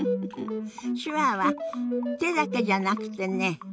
手話は手だけじゃなくてね